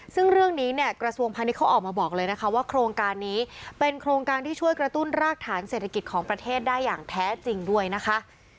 ซึ่งเรื่องนี้เนี่ยกระทรวงพาณิชยเขาออกมาบอกเลยนะคะว่าโครงการนี้เป็นโครงการที่ช่วยกระตุ้นรากฐานเศรษฐกิจของประเทศได้อย่างแท้จริงด้วยนะคะ